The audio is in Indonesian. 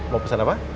mau pesan apa